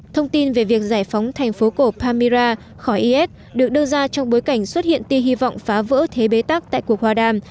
thông tin về việc giải phóng thành phố cổ pamira khỏi is được đưa ra trong bối cảnh xuất hiện tia hy vọng phá vỡ thế bế tắc tại cuộc hòa đàm